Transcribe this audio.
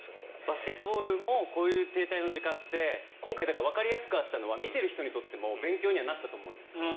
バスケットボールもこういう停滞の時間って今回わかりやすかったのは見てる人にとっても勉強になったと思うんです。